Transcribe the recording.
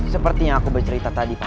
sepertinya aku bercerita tadi pak